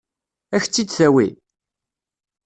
Ad k-tt-id-tawi?